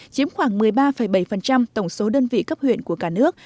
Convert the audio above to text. chiếm khoảng một mươi ba bảy tổng số đơn vị cấp huyện của cả nước